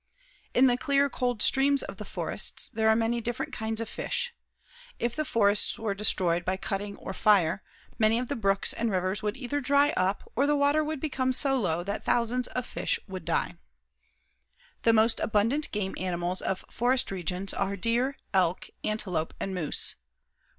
In the clear, cold streams of the forests there are many different kinds of fish. If the forests were destroyed by cutting or fire many of the brooks and rivers would either dry up or the water would become so low that thousands of fish would die. The most abundant game animals of forest regions are deer, elk, antelope and moose.